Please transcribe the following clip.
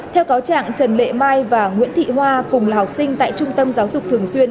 theo cáo trạng trần lệ mai và nguyễn thị hoa cùng là học sinh tại trung tâm giáo dục thường xuyên